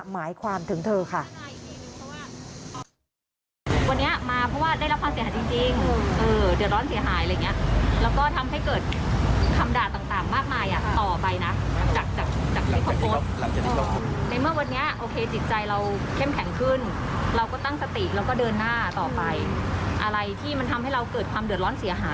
หมายความถึงเธอค่ะ